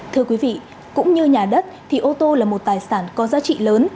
thưa quý vị cũng như nhà đất thì ô tô là một tài sản có giá trị lớn